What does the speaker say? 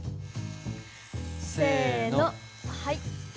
せのはい。